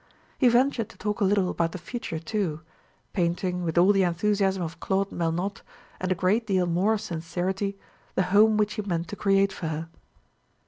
He ventured to talk a little about the future too; painting, with all the enthusiasm of Claude Melnotte, and a great deal more sincerity, the home which he meant to create for her.